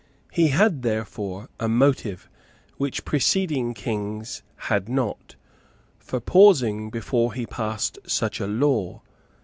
He had therefore a motive, which preceding Kings had not, for pausing before he passed such a law.